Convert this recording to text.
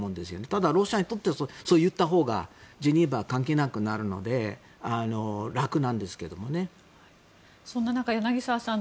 ただ、ロシアにとってはそう言ったほうがジュネーブは関係なくなるのでそんな中、柳澤さん